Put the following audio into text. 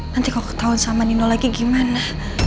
nanti kalau ketahuan sama nino lagi gimana